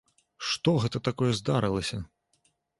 Што гэта такое здарылася!